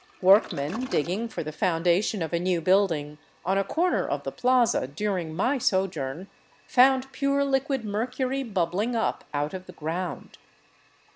Workmen, digging for the foundation of a new build 361 VAGABONDING DOWN THE ANDES ing on a corner of the plaza during my sojourn, found pure liquid mercury bubbling up out of the ground.